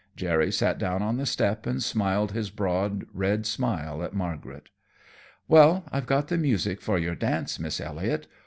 Jerry sat down on the step and smiled his broad, red smile at Margaret. "Well, I've got the music for your dance, Miss Elliot.